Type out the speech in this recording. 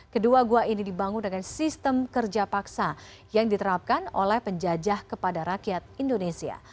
kedua gua ini dibangun dengan sistem kerja paksa yang diterapkan oleh penjajah kepada rakyat indonesia